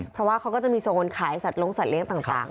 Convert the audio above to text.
เพราะว่าเขาก็จะมีโซนขายสัตลงสัตเลี้ยต่าง